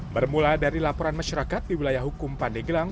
bermula dari laporan masyarakat di wilayah hukum pandeglang